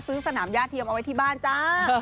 ซื้อสนามญาติเทียมเอาไว้ที่บ้านจ้า